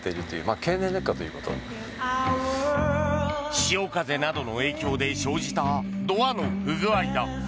潮風などの影響で生じたドアの不具合だ。